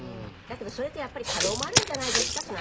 だけどそれってやっぱり過労もあるんじゃないですか？